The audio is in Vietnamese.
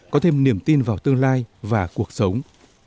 có thêm niềm tin vào tương lai và cuộc sống